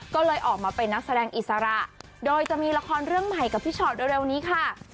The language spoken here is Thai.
ก็เลยออกมาเป็นนักแสดงอิสระโดยจะมีละครเรื่องใหม่กับพี่ชอตเร็วนี้ค่ะ